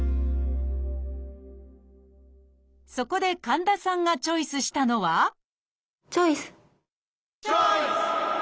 そこで神田さんがチョイスしたのはチョイス！